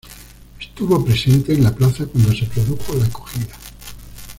Estuvo presente en la plaza cuando se produjo la cogida.